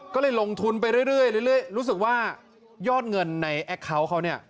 ก็เลยลงทุนไปเรื่อยรู้สึกว่ายอดเงินในแอคเคาน์เขาเนี่ย